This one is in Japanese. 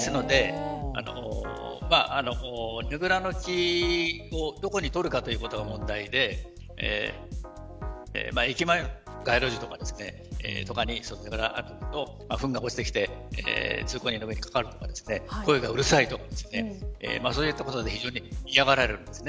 ですのでねぐらの木をどこに取るかということが問題で駅前の街路樹とかにあると、ふんが落ちてきて通行人の上にかかるとか声がうるさいとかそういったことで非常に嫌がられるんです。